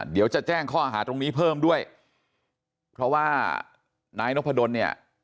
เดี๋ยวจะแจ้งข้อหาตรงนี้เพิ่มด้วยเพราะว่านายนพดลเนี่ย